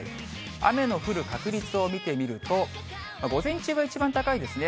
雨の降る確率を見てみると、午前中が一番高いですね。